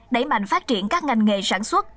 đẩy mạnh phát triển các ngành nghề sản xuất